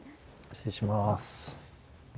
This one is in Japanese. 失礼します。